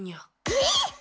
えっ⁉